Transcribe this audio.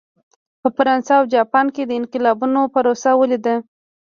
په فرانسه او جاپان کې د انقلابونو پروسه ولیده.